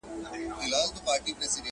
ډېر پخوا په ولايت کي د تاتارو؛